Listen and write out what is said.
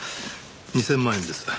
２０００万円です。